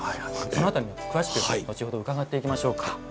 その辺りも詳しく後ほど伺っていきましょうか。